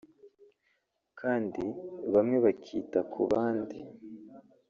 kandi bamwe bakita ku bandi